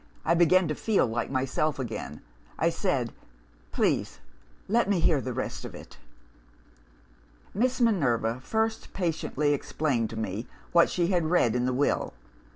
I began to feel like myself again. I said, 'Please let me hear the rest of it.' "Miss Minerva first patiently explained to me what she had read in the Will.